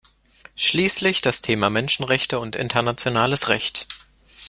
Schließlich das Thema Menschenrechte und internationales Recht.